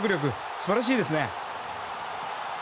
素晴らしいですね。